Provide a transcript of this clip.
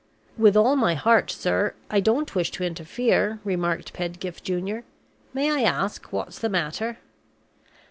"With all my heart, sir I don't wish to interfere," remarked Pedgift Junior. "May I ask what's the matter?"